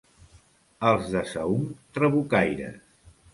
Els de Saünc, trabucaires.